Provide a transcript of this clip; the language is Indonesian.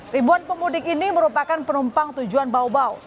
ribuan pemudik ini merupakan penumpang tujuan bau bau